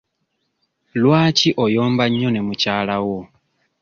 Lwaki oyomba nnyo ne mukyalawo?